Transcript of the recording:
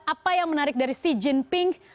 apa yang menarik dari xi jinping